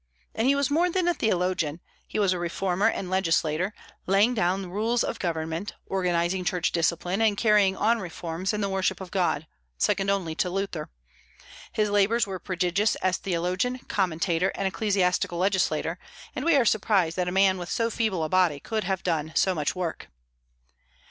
And he was more than a theologian; he was a reformer and legislator, laying down rules of government, organizing church discipline, and carrying on reforms in the worship of God, second only to Luther. His labors were prodigious as theologian, commentator, and ecclesiastical legislator; and we are surprised that a man with so feeble a body could have done so much work.